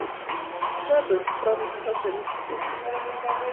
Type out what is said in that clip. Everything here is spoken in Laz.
Çkva do çkva mutxape miçkinan.